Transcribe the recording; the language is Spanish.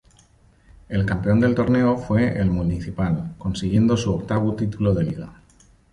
El campeón del torneo fue el Municipal, consiguiendo su octavo título de liga.